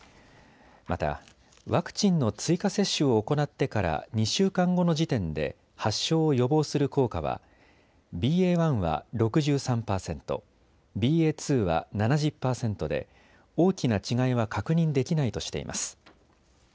また、ワクチンの追加接種を行ってから２週間後の時点で発症を予防する効果はＢＡ．１は６３％、ＢＡ．２は７０％で大きな違いは確認できないとしています。